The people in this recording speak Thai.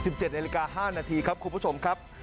๑๗นาฬิกา๕นาทีครับคุณผู้ชมครับ